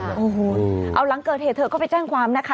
โอ้โหเอาหลังเกิดเหตุเธอก็ไปแจ้งความนะคะ